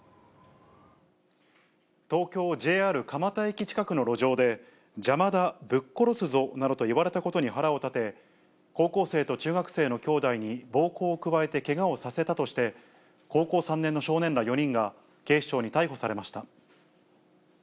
東京・ＪＲ蒲田駅近くの路上で、邪魔だ、ぶっ殺すぞなどと言われたことに腹を立て、高校生と中学生の兄弟に暴行を加えてけがをさせたとして、高校３年の少年ら４人が警視庁に逮捕されました。